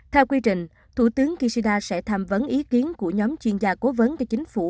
theo quy trình thủ tướng kishida sẽ tham vấn ý kiến của nhóm chuyên gia cố vấn cho chính phủ